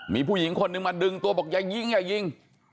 มีผู้หญิงคนนึงมาดึงตัวบอกอย่ายิงอย่ายิง